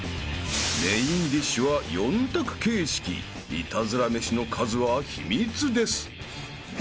［メインディッシュは４択形式イタズラ飯の数は秘密です］